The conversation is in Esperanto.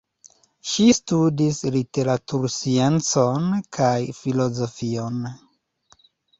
Ŝi studis literatursciencon kaj filozofion.